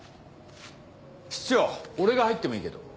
室長俺が入ってもいいけど。